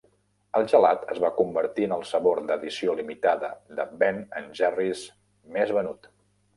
El gelat es va convertir en el sabor d'edició limitada de Ben and Jerry's més venut.